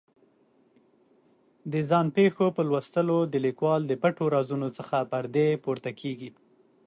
د ځان پېښو په لوستلو د لیکوال د پټو رازونو څخه پردې پورته کېږي.